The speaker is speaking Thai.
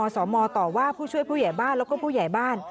สมต่อว่าผู้ช่วยผู้ใหญ่บ้านแล้วก็ผู้ใหญ่บ้าน